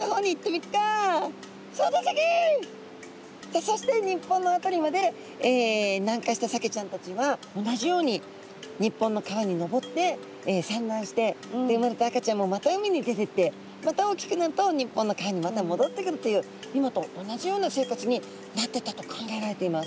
そして日本の辺りまで南下したサケちゃんたちは同じように日本の川に上って産卵してで生まれた赤ちゃんもまた海に出てってまた大きくなると日本の川にまたもどってくるという今と同じような生活になってったと考えられています。